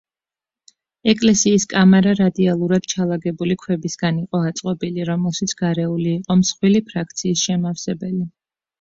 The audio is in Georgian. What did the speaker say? ეკლესიის კამარა, რადიალურად ჩალაგებული ქვებისგან იყო აწყობილი, რომელშიც გარეული იყო მსხვილი ფრაქციის შემავსებელი.